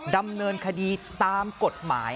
ดำเนินคดีตามกฎหมาย